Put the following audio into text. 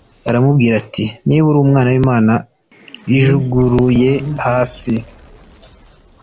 aramubwira ati : Niba uri Umwana w'Imana ijuguruye hasi